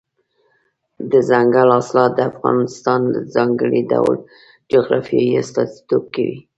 دځنګل حاصلات د افغانستان د ځانګړي ډول جغرافیې استازیتوب کوي.